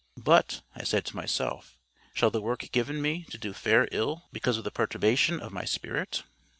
"But," I said to myself, "shall the work given me to do fare ill because of the perturbation of my spirit?